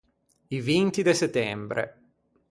I vinti de settembre.